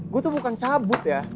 gue tuh bukan cabut ya